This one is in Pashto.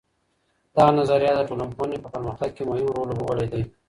دغه نظريه د ټولنپوهنې په پرمختګ کي مهم رول لوبولی دی.